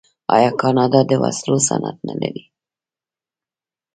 آیا کاناډا د وسلو صنعت نلري؟